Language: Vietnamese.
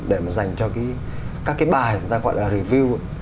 để mà dành cho các cái bài chúng ta gọi là review